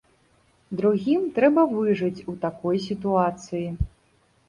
Другім трэба выжыць у такой сітуацыі.